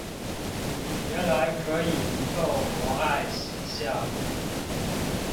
原來可以移動摩艾石像